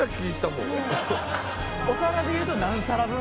お皿で言うと。